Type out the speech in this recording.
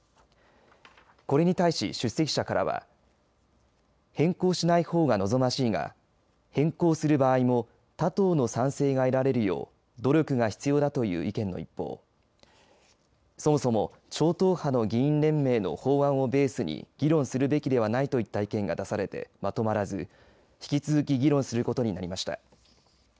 これに対し、出席者からは変更しないほうが望ましいが変更する場合も他党の賛成が得られるよう努力が必要だという意見の一方そもそも超党派の議員連盟の法案をベースを議論するべきではないといった意見が出されて、まとまらず引き続き議論することになりました。